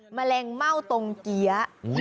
แมลงเม่าตรงเกี้ย